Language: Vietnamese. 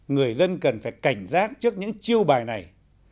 người dân cần phải cảnh giác trước những chiêu bài này